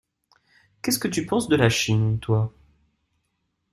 Qu’est-ce que tu penses de la Chine, toi ?